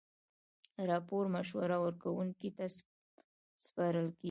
راپور مشوره ورکوونکي ته سپارل کیږي.